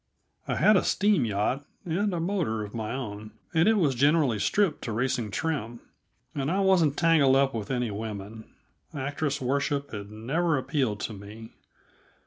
I had a steam yacht and a motor of my own, and it was generally stripped to racing trim. And I wasn't tangled up with any women; actress worship had never appealed to me.